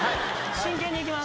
真剣にいきます。